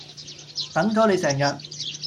等咗你成日